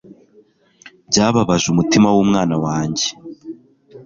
Byababaje umutima wumwana wanjye